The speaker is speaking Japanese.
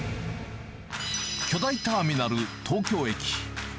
巨大ターミナル東京駅。